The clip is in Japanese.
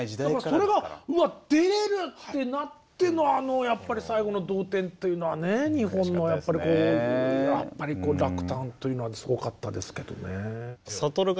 それがうわっ出れるってなってのあの最後の同点というのはね日本のやっぱりこう落胆というのはすごかったですけどね。